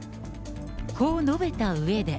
こう述べたうえで。